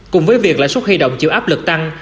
cùng với việc lãi suất huy động chịu áp lực tăng